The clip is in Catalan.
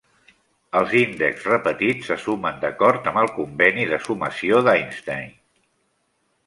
Els índexs repetits se sumen d'acord amb el conveni de sumació d'Einstein.